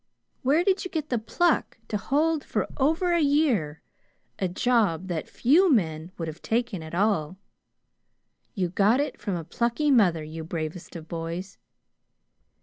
Where did you get the pluck to hold for over a year a job that few men would have taken at all? You got it from a plucky mother, you bravest of boys.